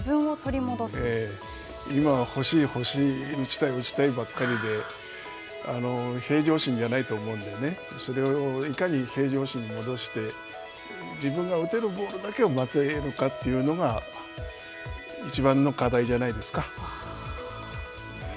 今は欲しい欲しい、打ちたい打ちたいばっかりで、平常心じゃないと思うんでねそれをいかに平常心に戻して自分が打てるボールだけを待てるかというのがいちばんの課題じゃないですか。